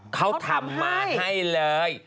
เขาทำมาให้เลย